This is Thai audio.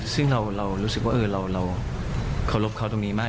ซึ่งเรารู้สึกว่าเราเคารพเขาตรงนี้มาก